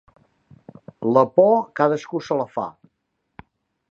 La por, cadascú se la fa.